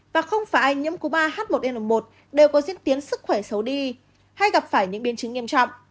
và không phải ai nhiễm cúm ah một n một đều có diễn tiến sức khỏe xấu đi hay gặp phải những biên chứng nghiêm trọng